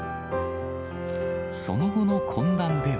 その後の懇談では。